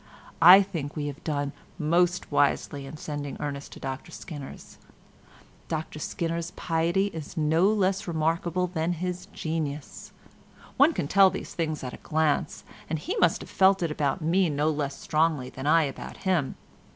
I think we have done most wisely in sending Ernest to Dr Skinner's. Dr Skinner's piety is no less remarkable than his genius. One can tell these things at a glance, and he must have felt it about me no less strongly than I about him.